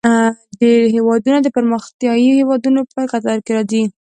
ډیری هیوادونه د پرمختیايي هیوادونو په کتار کې راځي.